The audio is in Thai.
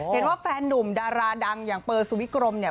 เห็นว่าแฟนนุ่มดาราดังอย่างเปอร์สุวิกรมเนี่ย